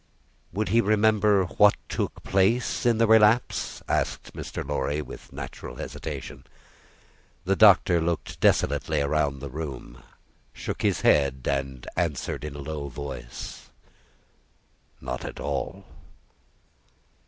"Would he remember what took place in the relapse?" asked Mr. Lorry, with natural hesitation. The Doctor looked desolately round the room, shook his head, and answered, in a low voice, "Not at all."